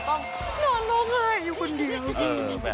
นอนแล้วไงอยู่คนเดียว